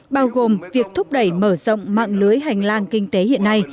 bao gồm việc thúc đẩy mở rộng mạng lưới hà nội